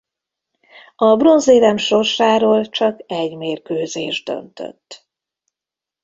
A bronzérem sorsáról csak egy mérkőzés döntött.